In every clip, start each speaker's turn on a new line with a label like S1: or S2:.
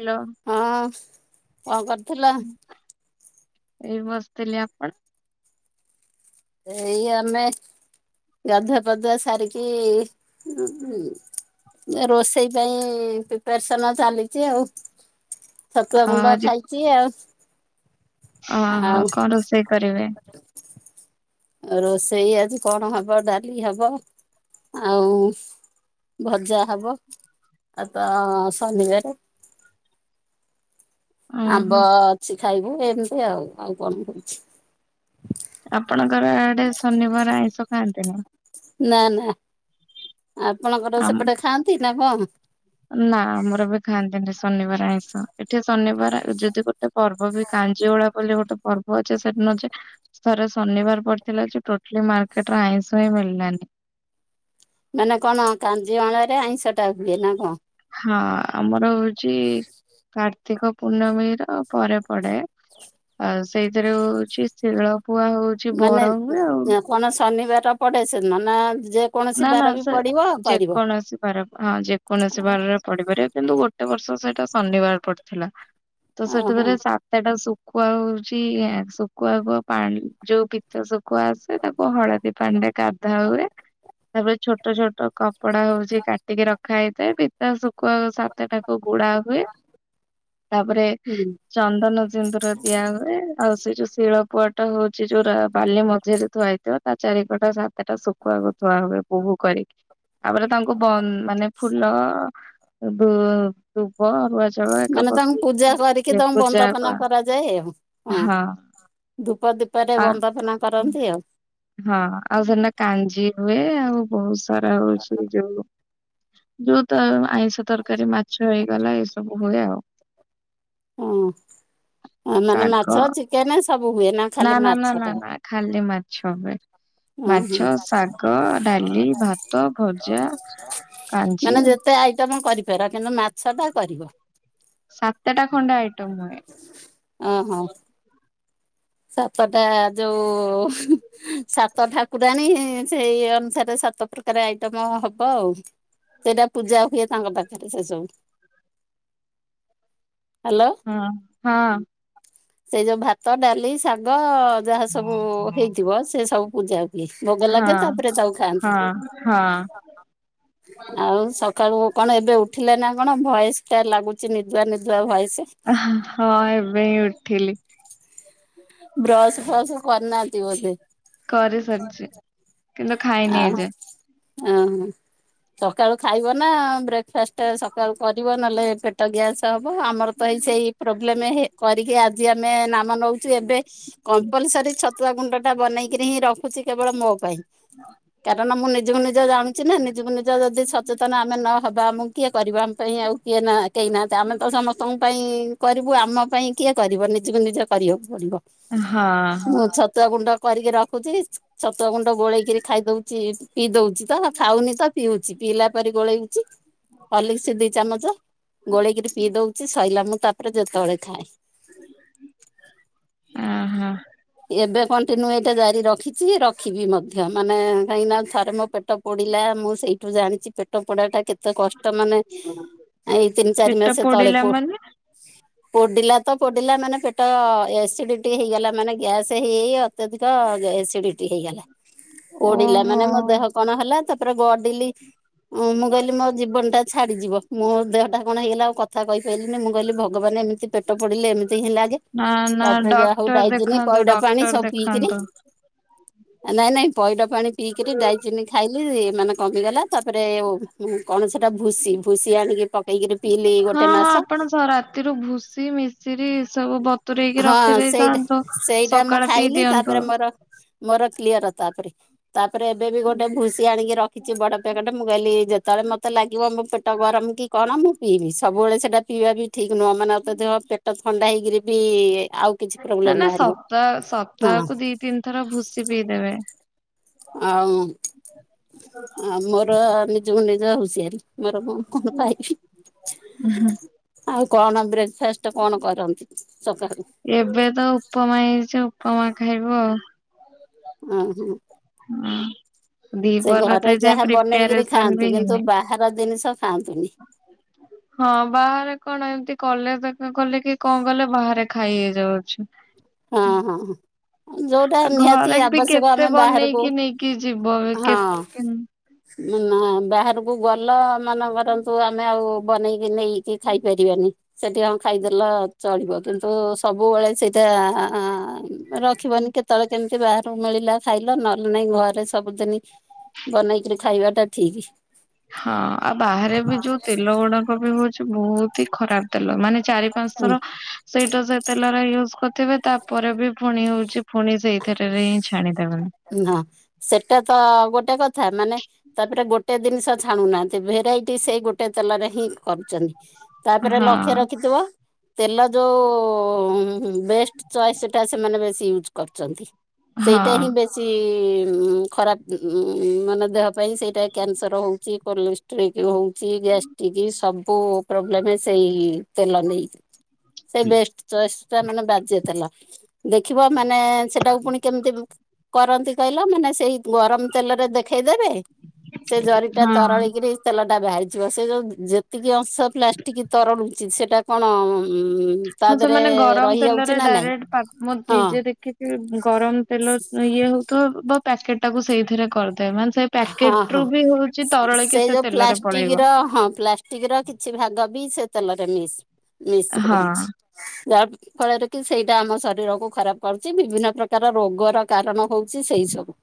S1: Hello.
S2: ହଁ କଣ କରୁଥିଲ?
S1: ଏଇ ବସିଥିଲି, ଆପଣ?
S2: ଏଇ ଆମେ ଗାଧୁଆ ପାଦୁଆ ସାରିକି ରୋଷେଇ ପାଇଁ ପ୍ରିପାରସନ୍ ଚାଲିଛି ଆଉ। ଛତୁଆ
S1: ଅ,
S2: ଗୁଣ୍ଡ
S1: ଆଜି
S2: ଖାଇଛି ଆଉ।
S1: ଓହୋ
S2: ଆଉ
S1: କଣ ରୋଷେଇ କରିବେ?
S2: ରୋଷେଇ ଆଜି କଣ ହବ ଡାଲି ହବ ଆଉ ଭଜା ହବ ଆଉ ତ ଶନିବାର। ଆମ୍ବ
S1: ଓହୋ
S2: ଅଛି ଖାଇବୁ ଏମିତି ଆଉ, ଆଉ କଣ ହଉଛି।
S1: ଆପଣଙ୍କର ଆଡେ ଶନିବାର ଆଇଁଷ ଖାଆନ୍ତି ନା?
S2: ନା ନା ଆପଣଙ୍କର
S1: ଆମ
S2: ସେପଟେ ଖାଆନ୍ତି ନା କଣ?
S1: ନା ଆମର ବି ଖାଆନ୍ତିନି ଶନିବାର ଆଇଁଷ ଏଠି ଶନିବାର ଯଦି ଗୋ ଗୋଟେ ପର୍ବ ବି କାଞ୍ଜିଉଳା ବୋଲି ଗୋଟେ ପର୍ବ ଅଛି ସେ ଦିନ ଯେ ଥରେ ଶନିବାର ପଡିଥିଲା ଯେ ଟୋଟାଲି ମାର୍କେଟରେ ଆଇଁଷ ହିଁ ମିଳିଲାନି।
S2: ମାନେ କଣ କାଞ୍ଜିଅଳା ରେ ଆଇଁଷ ଟା ହୁଏ ନା କଣ?
S1: ହଁ ଆମର ହଉଛି କାର୍ତ୍ତିକ ପୂର୍ଣ୍ଣମୀ ର ପରେ ପଡେ। ଆଉ ସେଇଥିରେ ହଉଛି ଶିଳପୁଆ ହଉଛି ବର ହୁଏ ଆଉ
S2: ମାନେ ଶନିବାର ପଡେ ସେ ଦିନ ନା ଯେ
S1: ନା ନା ସେ ଯେକୌଣସି ବାର ହଁ ଯେକୌଣସି ବାରରେ ପଡିପାରେ କିନ୍ତୁ ଗୋଟେ ବର୍ଷ ସେଇଟା ଶନିବାର ପଡିଥିଲା ତ ସେଟା
S2: ଓହୋ
S1: ଥରେ ଶା ତାଟା ଶୁଖୁଆ ହଉଛି ଶୁଖୁଆକୁୁ ପାଣି ଯୋଉ ପିିତ ଶୁଖୁଆ ସେଟାକୁ ହଳଦୀ ପାଣି ରେ ଗାଧା ହୁଏ ତାପରେ ଛୋଟ ଛୋଟ କପଡା ହଉଛି କାଟିକି ରଖା ହେଇଥାଏ। ତା ଶୁଖୁଆ ସାତଟାକୁ ଗୁଡା ହୁଏ, ତାପରେ
S2: ହୁଁ
S1: ଚନ୍ଦନ ସିନ୍ଦୁର ଦିଆ ହୁଏ ଆଉ ସେ ଯୋଉ ଶିଳ ପୁଆ ଟା ହଉଛି ଯୋଉରା ବାଲି ମଝିରେ ଥୁଆଇ ତା ଚାରି ପଟେ ସାତଟା ଶୁଖୁଆ କୁ ଥୁଆ ହୁଏ ବୋହୁ କରିକି। ତାପରେ ତାଙ୍କୁ ମାନେ ବନ୍ଦ୍ ମାନେ ଫୁଲ ସବୁ
S2: ମାନେ ତାଙ୍କୁ ପୂଜା କରିକି
S1: ଇଏ
S2: ତାଙ୍କୁ
S1: ପୂଜା କ
S2: ବନ୍ଦାପନା କରାଯାଏ ଆଉ, ହଁ। ଧୂପ ଦୀପରେ
S1: ଆ
S2: ବନ୍ଦାପନା କରନ୍ତି ଆଉ।
S1: ହଁ ଆଉ ସେଦିନ କାଞ୍ଜି ହୁଏ, ଆଉ ବହୁତ ସାରା ହଉଛି ଯୋଉ ଯୋଉ ତ ଆଇଁଷ ତରକାରୀ ମାଛ ହେଇଗଲା ଏଇ ସବୁ ହୁଏ ଆଉ।
S2: ହ ହ ମାନେ
S1: ଶାଗ
S2: ମାଛ ଚିକେନ ସବୁ ହୁଏ ନା।
S1: ନା
S2: ଖାଲି
S1: ନା ନା ନା
S2: ମାଛଟା
S1: ନା ଖାଲି ମାଛ ହୁଏ।
S2: ଉଁ ହୁଁ
S1: ମାଛ, ଶାଗ, ଡାଲି, ଭାତ, ଭଜା। କାଞ୍ଜି
S2: ମାନେ ଯେତେ ଆଇଟମ କରିପାର କିନ୍ତୁ ମା ସଦା କରିବ,
S1: ସାତଟା ଖଣ୍ଡେ ଆଇଟମ ହୁଏ।
S2: ଓ ହୋ। ସାତଟା ଯୋଉ ହୁଁ ସାତ ଠାକୁରାଣୀ। ସେଇ ଅନୁସାରେ ସାତ ପ୍ରକାର ଆଇଟମ ହବ ଆଉ। ‌ ସେଇଟା ପୂଜା ହୁଏ ତାଙ୍କ ପାଖରେ ସେ ସବୁ, ହ୍ୟାଲୋ।
S1: ହଁ ହଁ।
S2: ସେଇ ଯୋଉ ଭାତ ଡାଲି ଶାଗ। ଯାହା ସବୁ ହେଇଥିବ ସେ ସବୁ ପୂଜା ହୁଏ, ଭୋଗ ଲାଗେ
S1: ହଁ
S2: ତାପରେ ତାକୁ ଖାଆନ୍ତି।
S1: ହଁ।
S2: [inaudible] ଆଉ ସକାଳୁ କଣ ଏବେ ଉଠିଲେ ନା କଣ ଭଏସ ଟା ଲାଗୁଛି ନିଦୁଆ ନିଦୁଆ ଭଏସ।
S1: ହ ହଁ ଏବେ ହିଁ ଉଠିଲି।
S2: ବ୍ରଶ ଫ୍ରଶ କରନାହାନ୍ତି ବଧେ।
S1: କରି ସାରଛି।
S2: ଆଉ [unintelligible] ସକାଳୁ ଖାଇବ ନା ବ୍ରେକ୍ ଫାଷ୍ଟ ସକାଳୁ କରିବ ନହେଲେ ପେଟ ଗ୍ୟାସ୍। ତ ହବ ଆମର ତ ଏଇ ସେଇ ପ୍ରୋବ୍ଲେମ କରିକି ଆଜି ଆମେ [unintelligible] ବନଉଛି ଏବେ କମ୍ପଲସରୀ ଛତୁଆ ଗୁଣ୍ଡ ଟା ବନେଇକିରି ହିଁ ରଖୁଛି କେବଳ ମୋ ପାଇଁ।
S1: [inaudible]
S2: କାରଣ ମୁଁ ନିଜକୁ ନିଜ ଜାୁଛି ନା ନିଜକୁ ନିଜ ଯଦି ସଚେତନ ଆମେ ନହବା ଆମକୁ କିଏ କରିବ ଆମ ପାଇଁ ଆଉ। କିଏ ନା କେହି ନାହାନ୍ତି। ଆମେ ତ ସମସ୍ତଙ୍କ ପାଇଁ କରିବୁ ଆମ ପାଇଁ କିଏ କରିବ ନିଜକୁ ନିଜେ କରିବାକୁ ପଡିବ।
S1: ହଁ
S2: ମୁଁ ଛତୁଆ ଗୁଣ୍ଡ କରିକି ରଖୁଛି। ଛତୁଆ ଗୁଣ୍ଡ ବୋଳେଇକି ପ ଖାଇ ଦଉଛି ପିଇ ଦଉଛି ତ ଖାଉନି ତ ପିଉଛି ପିଇଲା ପରେ ଗୋଳେଇଉଛି। ଅଲିକସି ଦି ଚାମଚ ଗୋଳେଇକିରି ପିଇ ଦଉଛି ସରଲା ମୁଁ ତାପରେ ଯେତେବେଳେ ଖାଏ।
S1: ଅହୋ।
S2: ଏବେ କଣ ଦିନୁ ଏଟା ଜାରି ରଖିଛି ରଖିବି ମଧ୍ୟ। ମ ମାନେ କାହିଁକିନା ଥରେ ମୋ ପେଟ ପୋଡ଼ିଲା ମୁଁ ସେଇ ୁମୁଁ ଜାଣିଛି ପେଟ ପୋଡା ଟା କେତେ [unintelligible] କଷ୍ଟ ମାନେ ଏଇ ତିନି ଚାରି
S1: ପେଟ
S2: ମାସ ତଳେ
S1: ପୋଡିଲା
S2: ପୁହ
S1: ମାନେ?
S2: ପୋଡିଲା ତ ପୋଡିଲା ମାନେ ପେଟ ଏସିଡିଟି ହେଇଗଲା ମାନେ ଗ୍ୟାସ ହେଇ ହେଇ ଅତ୍ୟଧିକ ଏସ୍ ଡିଟି ହେଇଗଲା ପୋଡିଲା
S1: ଓହୋ।
S2: ମାନେ ମୋ ଦେହ କଣ ହେଲା ତାପରେ ଗଡିଲି। ଁ ମୁଁ କହିଲି ମୋ ଜୀବନ ଟା ଛାଡିଯିବ। ମୋ ଦେହଟା କଣ ହେଇଗଲା ଆଉ କଥା କହିପାରିଲିନି ମୁଁ କହିଲି ଭଗବାନ ଏମିତି ପେଟ ପୋଡିଲେ ଏମିତି ହେଲାଯେ
S1: ନା ନା
S2: ତାପରେ ଯାହା ହଉ
S1: ଡକ୍ଟର
S2: ଡାଇଜନିକ
S1: ଦେଖାନ୍ତୁ
S2: ପଇଡା ପାଣି
S1: ଡକ୍ଟର
S2: ସବୁ ପିଇକରି
S1: ଦେଖାନ୍ତୁ
S2: ନାଇଁ ନାଇଁ ପଇଡା ପାଣି ପିଇକରି ଡାଇଜିନି ଖାଇଲି ମାନେ କମିଗଲା। ତାପରେ କଣ ସେଟା ଭୁସି ଭୁସି ଆଣିକି ପ
S1: ହଁ ହଁ ଆପଣ ରାତିରୁ ଭୁଷ ମିଶିରିି ସବୁ ବ
S2: ହଁ ସେଇଟା ସେଇଟା ମୁଁ
S1: ସକାଳେ ପିଇ
S2: ଖାଇଲି
S1: ଦିଅନ୍ତୁ
S2: ତାପରେ ମୋର ମୋର କ୍ଲିୟର ତା ପରେ। ତାପରେ ଏବେ ବି ଗୋଟେ ଭୁସି ଆଣିକି ରଖିଛି ବଡ ପ୍ୟାକେଟ ମୁଁ କହିଲି ଯେତେବେଳେ ମତେ ଲାଗିବ ମୋ ପେଟ ଗରମ କି? କଣ ମୁଁ ପିଇବି। ସବୁବେଳେ ସେଟା ପିଇବା ବି ଠିକ୍ ନୁହଁାନେ ଅତ ଦେହ ପେଟ ଥଣ୍ଡା ହେଇକିରି ବି ଆଉ। କିଛି
S1: ନା
S2: ପ୍ରୋବ୍ଲେମ
S1: ନା
S2: ବାହାରିବ
S1: ସପ୍ତା
S2: ହଁ
S1: ସପ୍ତାହକୁ ଦି, ତିନି ଥର ଭୁସି ପିଇଦେବେ।
S2: ଆଉ।
S1: [inaudible]
S2: ଆ ମୋର ନିଜକୁ ନିଜ ହୁସିଆରି ମୋର ମୁଁ କଣ ପାଇବି। ଆଉ କଣ ବ୍ରେକ୍ଫା ଫାକ୍ଷ୍ଟ କଣ କରନ୍ତି ସକାଳୁ।
S1: ଏବେ ତ ଉପମା ହେଇଛି ଉପମା ଖାଇବୁ ଆଉ।
S2: [unintelligible]
S1: ହଁ
S2: ସେ
S1: ଦିପର
S2: ଘରେ
S1: ତ ଏ ଯାଏ ପ୍ରିପାରେସନ ବି ହେଇନି।
S2: ହାର ଜିନିଷ ଖାଆନ୍ତୁନି।
S1: ହଁ ବାହାରେ କଣ ଏମତି କଲେ କଲେ କି କଣ କଲେ ବାହାରେ ଖାଇ ହେଇଯାଉଛୁ।
S2: ହଁ ହଁ। ଯୋଉଟା
S1: ଆଉ
S2: ନିହାତି
S1: ଘରେ ବି
S2: ଆବଶ୍ୟକ
S1: କେତେ
S2: ଆମେ ବାହାରକୁ
S1: ବନେଇକି ନେଇକି ଯିବ କେ
S2: ହଁ।
S1: ହୁଁ
S2: ନା ବାହାରକୁ ଗଲ ମାନେ କରନ୍ତୁ ଆମେ ଆଉ। ବନେଇକି ନେଇକି ଖାଇ ପାରିବାନି। ସେଠି କଣ ଖାଇଦେଲ ଚଳିବ କିନ୍ତୁ ସବୁବେଳେ ସେଇଟା ଆ ରଖିବନି କେତେବେଳେ କେମିତି ବାହାରୁ ମିଳିଲା ଖାଇଲ ନହେଲେ ନାଇଁ ଘରେ ସବୁଦିନି ବନେଇକିରି ଖାଇବାଟା ଠିକି।
S1: ହଁ ଆଉ ବାହାରେ ବି ଯୋଉ ତେଲ ଗୁଡାକ ବି ହୋଉଚି ବୋହୁତ ହି ଖରାପ ତେଲ ମାନେ ଚାରି ପାଞ୍ଚ ଥର ସେଇଟା ସେ ତେଲର ୟୁଜ କରିଥିବେ ତାପରେ ବି ପୁଣି ହୋଉଚି ଫୁଣି ସେଇଥିରେରେ ହିଁ ଛାଣିଦେବେ।
S2: ନା ସେଟା ତ ଗୋଟେ କଥା ମାନେ ତାପରେ ଗୋଟେ ଦିନଷ ଛାଣୁନାହାନ୍ତି ଭେରାଇଟି ସେଇ ଗୋଟେ ତେଲରେ ହିଁ କରୁଚନ୍ତି। ତାପରେ
S1: ହଁ
S2: ଲକ୍ଷ୍ୟ ରଖିଥିବ ତେଲ ଯୋଉ ବେଷ୍ଟ ଚଏସ୍ ସେଟା ସେମାନେ ବେଶ ୟୁଜ୍। କରୁଚନ୍ତି ସେଇଟା
S1: ହଁ
S2: ହିଁ ବେଶୀ ଉଁ ଖରାପ ଉଁ ମାନେ ଦେହ ପାଇଁ ସେଇଟା କ୍ୟାନସର ହୋଉଚି କୋଲେଷ୍ଟ୍ରିକ ହୋଉ। ସି ଗ୍ୟାସ ଟିକି ସବୁ ପ୍ରୋବ୍ଲେମ ସେଇ ତେଲ ନେଇ ସେ ବେଷ୍ଟ ଚଚସଟା ମାନେ ବାଜ୍ୟେ ତେଲ ଦେଖିବ ମାନେ ସେଟାକୁ ପୁଣି କେମତି କରନ୍ତି କହିଲ ମାନେ ସେଇ ଗରମ ତେଲରେ ଦେଖେଇଦେବେ ସେ ଜରିଟା
S1: ହଁ।
S2: ତରଳିକିରି ତେଲଟା ବାହାରିଯିବ ସେ ଯୋଉ ଯେ ତିକି ଅଂଶ ପ୍ଲାଷ୍ଟିକ ତରଳୁଚି ସେଟା କଣ ଉଁ
S1: ହଁ ସେମାନେ ଗରମ ତେଲରେ ଡାଇରେକ୍ଟ ପା ମୁଁ
S2: ହଁ
S1: ନିଜେ ଦେଖି ଗରମ ତେଲ ଇଏ ହୋଉଥୁବ ବା ପ୍ୟାକେଟ ଟାକୁ ସେଇଥିରେ କରିଦେଏ ମାନେ ସେ
S2: ହଁ
S1: ପ୍ୟାକେଟ
S2: ହଁ
S1: ରୁ ବି ହଉଛି
S2: ସ୍
S1: ତରଳିକି
S2: ସେ ଯୋଉ
S1: ତେଲରେ ପଳେଇବ
S2: ପ୍ଲାଷ୍ଟିକର ହଁ ପ୍ଲାଷ୍ଟ ଷ୍ଟିକର କିଛି ଭାଗ ବି ସେ ତେଲରେ ମିସ୍ ମିସ୍
S1: ହଁ
S2: ହୋଉଚି ଯା ଫଳରେ କି ସେଇଟା ଆମ ଶରୀରକୁ ଖରାପ କରୁଚି ବିଭିନ୍ନ ପ୍ରକାର ରୋଗର କାରଣ ହୋଉଚି ସେଇ ସବୁ।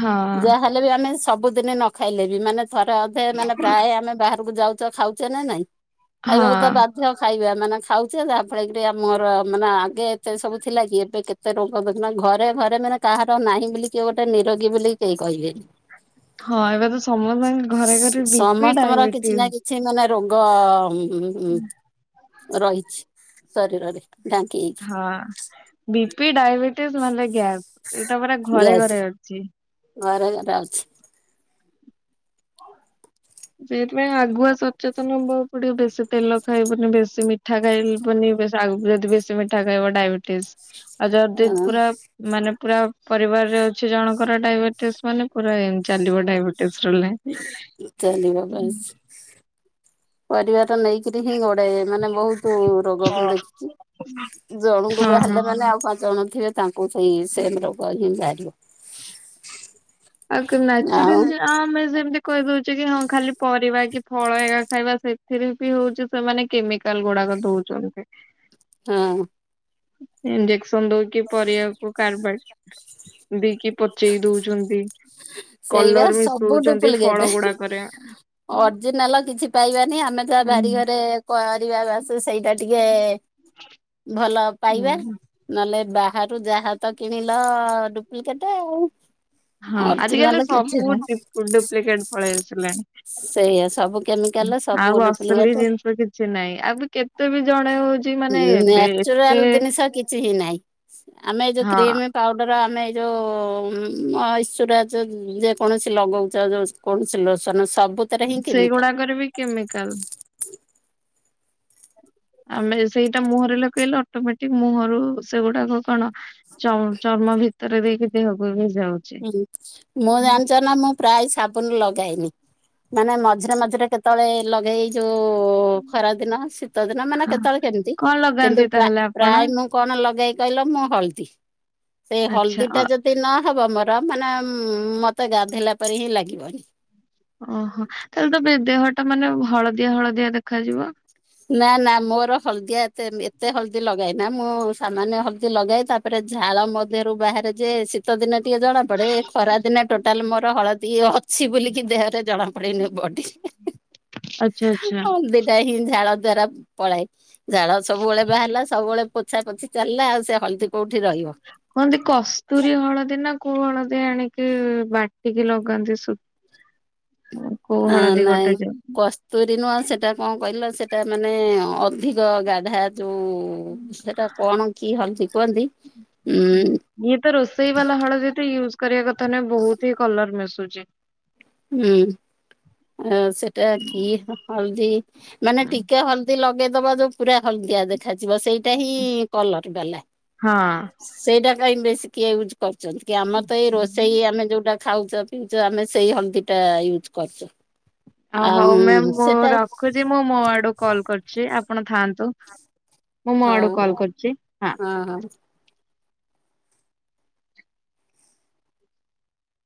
S1: ହଁ।
S2: ହେଲେ ବି ଆମେ ସବୁଦିନେ ନ ଖାଇଲେବି ମାନେ ଥରେ ଅଧେ ମାନେ ପ୍ରାୟ ଆମେ ବାହା କୁ ଯାଉଚ ଖାଉଚ ନା ନାଇଁ ଖାଇବାକୁ ଦବା
S1: ହଁ
S2: ମଧ୍ୟ ଖାଇବା ମାନେ ଖାଉଚେ ଯାହାଫଳରେ କି ଆମର ମାନେ ଆଗେ ଏତେ ସବୁ ଥିଲା କି ଏବେ କେ ତେ ରୋଗ ଘରେ ଘରେ ମାନେ କାହାର ନାହିଁ ବୋଲି କିଏ ଗୋଟେ ନିରୋଗୀ ବୋଲି କେହି କହିବେନି।
S1: ହଁ ଏବେ ତ ସମସ୍ତଙ୍କ ଘରେ ଘରେ ବି ପି ଡାଇବେଟିସ୍।
S2: ସେମାନେ ରୋଗ ରହିଛି ଶରୀରରେ ନାକି
S1: ହଁ ବି ପି, ଡାଇବେଟିସ୍ ମାନେ ଗ୍ୟାସ ଏଇଟା ପୁରା ଘରେ
S2: ଗ୍ୟାସ
S1: ଘରେ ଅଛି।
S2: ଘରେ ଘରେ ଅଛି।
S1: ସେଥିପାଇଁ ଆଗୁଆ ସଚେତନ ହବାକୁ ପଡିବ ବେଶୀ ତେଲ ଖାଇବୁନି, ବେଶୀ ମିଠା ଖାଇବୁନି, ବେ ଆଉ ଯଦି ବେଶୀ ମିଠା ଖାଇବ ଡାଇବେଟିସ୍ ଆଉ ଯଦି
S2: ହଁ
S1: ପୁରା ମାନେ ପୁରା ପରିବାରରେ ଅଛି ଜଣଙ୍କର ଡାଇବେଟିସ୍ ମାନେ ପୁରା ଏମ ଚାଲିବ ଡାଇବେ ଟିସ୍ ରୁଲେ
S2: ଚାଲିବ ବାସ୍। ପରିବାର ନେଇକିରି ହିଁ ଗୋଢାଯାଏ ମାନେ ବୋହୁତୁ ରୋଗ
S1: ହଁ
S2: ମୁଁ ଦେଖିଚି ଜଣଙ୍କୁ ବାହାରିଲା ମାନେ
S1: ହଁ।
S2: ଆଉ ପାଞ୍ଚ ଜଣ ଥିବେ ତାଙ୍କୁ ସେଇ ସେମ୍ ରୋଗ ହିଁ ବାହାରିବ।
S1: ହ [unintelligible] ଆଉ କଣ ନାଚୁରାଲ ଯାହା ଆଉ ଆମେ ସେମତି କହିଦୋଉଚେ କି ହଁ ଖାଲି ପରିବା କି ଫଳ ଏକା ଖାଇବା ସେଥିରୁ ବି ହୋଉଚି ସେମାନେ କେମିକାଲଗୁଡାକ ଦୋଉଚନ୍ତି।
S2: ହଁ।
S1: ଇଞ୍ଜେକ୍ସନ ଦଉକି ପରିବାକୁ କାରବଟ। ଦେଇକି ପଚେଇ ଦଉଛନ୍ତି।
S2: ସେଇ ବା
S1: କଲର
S2: ସବୁ
S1: ମିଶଉଛନ୍ତି
S2: ଡୁପୁଲିକ
S1: ଫଳ
S2: ଏଟେ।
S1: ଗୁଡାକରେ ହୁଁ
S2: ଅର୍ଜିନାଲ କିଛି ପାଇବାନି। ଆମେ ତା
S1: ହୁଁ
S2: ଭାରିଘରେ କରିବା ବାସ ସେଇଟା ଟିକେ ଭଲ ପାଇବା। ନହେଲେ, ବାହାରୁ ଯାହା ତ କିଣିଲ ଡୁପ୍ଲିକେଟ ଆଉ।
S1: ହଁ, ଆଜିକାଲି
S2: ଅରିଜିନାଲ
S1: ତ
S2: କିଛି
S1: ସବୁ ଡୁପ୍ଲିକେଟ ପଳେଇ ଆସିଲାଣି।
S2: ସେଇଆା ସବୁ କେମିକାଲ, ସବୁ
S1: ଆଉ ଅସଲି
S2: ଡୁପ୍ଲିକେଟ୍।
S1: ଜିନିଷ କିଛି ନାହିଁ ଆଉ ବି କେତେ ବି ଜଣେ ହଉଛି ମାନେ ଏବେ ଏତେ
S2: ନାଚୁରାଲ ଜିନିଷ କିଛି ହିଁ ନହିଁ। ଆମେ ଏ ଯୋଉ
S1: ହଁ
S2: କ୍ରିମ ପାଉଡ଼ର ଆମେ ଏଇ ଯେଉଁ ଈଶ୍ୱରାାଜ [unintelligible] ଯେକୌଣସି ଲଗାଉଛ ଯେଉ କୌଣସି ଲସ [unintelligible] ତ ସବୁ
S1: ସେଇଗୁଡାକରେ ବି କେମିକାଲ। ଆମେ ସେଇଟା ମୁହଁରେ ଲଗେଇଲେ ଅଟୋମେଟିକ ମୁହରୁ ସେଗୁଡାକ କଣ ଚ ଚର୍ମ ଭିତରେ ଦେଇକି ଦେହକୁ ବି ଯାଉଛି।
S2: ହୁଁ ମ ଆମ [unintelligible] ମୁଁ ପ୍ରାୟ ସାବୁନ ଲଗାଇନି। ମାନେ ମଝିରେ, ମଝିରେ କେତେବେଳେ ଲଗେଇ ଯୋଉ ଖରାଦିନ, ଶୀତ ଦିନ, ମାନେ
S1: ହଁ
S2: କେତେବେଳେ କେମତି।
S1: କଣ
S2: କିନ୍ତୁ
S1: ଲଗାନ୍ତି
S2: ପ୍ରାୟ
S1: ତାହେଲେ ଆପଣ?
S2: ପ୍ରାୟନ କଣ ଲଗେଇ କହିଲ ମୁଁ ହଳଦୀ। ସେଇ
S1: ଆଚ୍ଛା
S2: ହଳଦୀ ଟା
S1: ଅ
S2: ଯଦି ନହବ ମୋର ମାନେ ମତେ ଗାଧୋଇଲା ପରେ ହିଁ ଲାଗିବନି।
S1: ଓହୋ ତାହେଲେ ତ ଦେହ ଟା ମାନେ ହଳଦିଆ, ହଳଦିଆ ଦେଖାଯିବ?
S2: ନା, ନା ମୋର ହଳଦିଆ ଏତେ ଏତେ ହଳଦୀ ଲଗାଇନା। ମୁଁ ସାମାନ୍ୟ ହଳଦୀ ଲଗାଇ। ତା ତାରେ ଝାଳ ମଧ୍ୟରୁ ବାହାରେ ଯେ ସତ ଦିନ ଟିକେ ଜଣାପଡେ ଖରା ଦିନ ଟୋଟାଲ ମୋର ହଳଦୀ ଅଛି ବଲିକି ଦେହରେ ଜଣାପଡ଼େ କପଡ଼ିନ ବଡିରେ
S1: ଆଚଛା ଆଚ୍ଛା।
S2: ଟା ହିଁ ଝାଳ ଦ୍ଵାରା ପଳାଏ ଝାଳ ସବୁବେଳେ ବାହାରିଲା ସବୁବେଳେ। ପୋଛା ପୋଛି ଚାଲିଲା ଆଉ ସେ ହଳଦୀ କୋଉଠି ରହିବ।
S1: କୁନ୍ତି କସ୍ତୁରୀ ହଳଦୀ ନା କୋଉ ହଳଦୀ ଆଣିକି ବାଟିକି ଲଗାନ୍ତି ହଁ।
S2: ଆ ନାଇଁ କଷ ତୋରି ନୁଆଁ ସେଟା କଣ କହିଲ ସେଇଟା ମାନେ ଅଧିକ ଗାଧା ଯୋଉ ସେଟା କଣ କି ହଲଦ କୁହନ୍ତି ଉଁ
S1: ଇଏ ତ ରୋଷେଇ ବାଲା ୟୁଜ। କରିବା କଥା ନ ବହୁତ ହି କଲର ମିଶୁଛି।
S2: ହୁଁ ଆ ସେଟା କି ହଲଦି। ମାନେ ଟିକେ ହଳଦୀ ଲଗେଇଦବା ଯୋଉ ପୁରା ହଳଦିଆ ଦେଖ ଦେଖାଯିବ ସେଇଟା ହିଁ କଲର ବାଲା
S1: ହଁ।
S2: ସେଇଟା କାଇଁ ବେଶ କିଏଜ କରୁଛନ୍ତି କି ଆମର ତ ଏଇ ରୋଷେଇ ଆମେ ଯୋଉଟା ଖାଉଛ ପିଉଛୁ ଆମେ ସେଇହଲ୍ ଦଟା ୟୁଜ୍ କରୁଛୁ।
S1: ହଉ ମ୍ୟାମ୍
S2: ଆଉ
S1: ମୁଁ
S2: ସେଟା
S1: ରଖୁଛି ମୁଁ ମୋ ଆଡୁ କଲ୍ କରୁଛି ଆପଣ ଥାଆନ୍ତୁ। ମୁଁ ମୋ ଆଡୁ
S2: ହଉ
S1: କଲ୍
S2: ହଉ
S1: କରୁଛି
S2: ହଁ ହଉ।